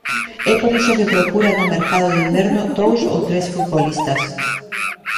É por iso que procura no mercado de inverno dous ou tres futbolistas.